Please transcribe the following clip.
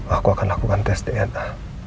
aku akan lakukan tes dna